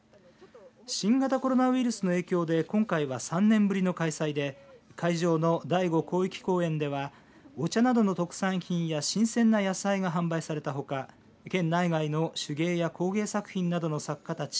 新型コロナウイルスの影響で今回は３年ぶりの開催で会場の大子広域公園ではお茶などの特産品や新鮮な野菜が販売されたほか県内外の手芸や工芸作品などの作家たち